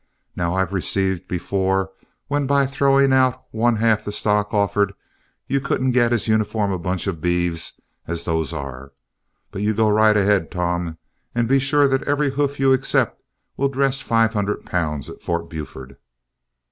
Now, I've received before when by throwing out one half the stock offered, you couldn't get as uniform a bunch of beeves as those are. But you go right ahead, Tom, and be sure that every hoof you accept will dress five hundred pounds at Fort Buford.